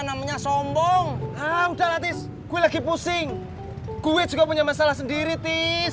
namanya sombong ah udah latih gue lagi pusing kue juga punya masalah sendiri tis